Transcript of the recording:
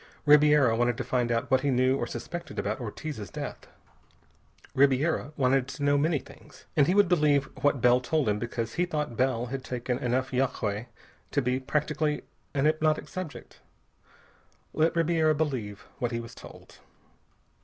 Ribiera wanted to find out what he knew or suspected about Ortiz's death. Ribiera wanted to know many things, and he would believe what Bell told him because he thought Bell had taken enough yagué to be practically an hypnotic subject. Let Ribiera believe what he was told!